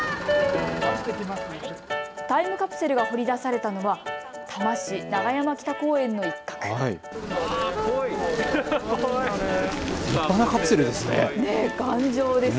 タイムカプセルが掘り出されたのは多摩市永山北公園の一角です。